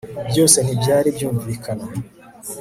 Byose ntibyari byumvikana